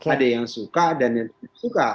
ada yang suka dan yang tidak suka